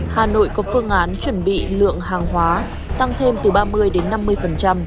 hà nội có phương án chuẩn bị lượng hàng hóa tăng thêm từ ba mươi đến năm mươi